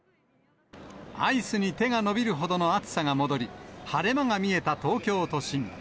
アイスに手が伸びるほどの暑さが戻り、晴れ間が見えた東京都心。